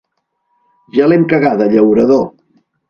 Ja l'hem cagada, llaurador!